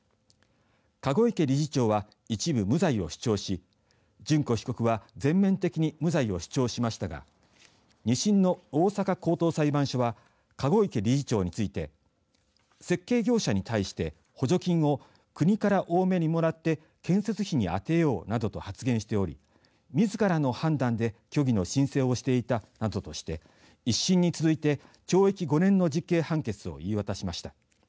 籠池理事長は一部無罪を主張し諄子被告は全面的に無罪を主張しましたが２審の大阪高等裁判所は籠池理事長について設計業者に対して補助金を国から多めにもらって建設費に充てようなどと発言しておりみずからの判断で虚偽の申請をしていたなどとして１審に続いて懲役５年の実刑判決を言い渡しました。